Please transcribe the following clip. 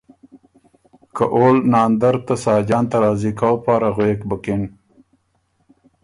که اول ناندر کی ته ساجان ته راضی کؤ پاره غوېک بُکِن۔